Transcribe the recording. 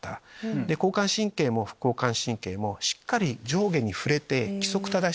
交感神経も副交感神経もしっかり上下に振れて規則正しい。